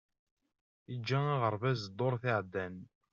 Iǧǧa aɣerbaz ddurt iεeddan.